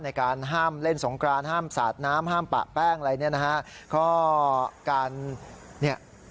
ในการห้ามเล่นสงกรานห้ามสาดน้ำห้ามปะแป้งอะไรอย่างนี้นะครับ